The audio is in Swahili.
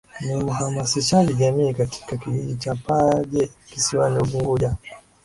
Ni mhamasishaji jamii katika Kijiji cha Paje kisiwani Unguja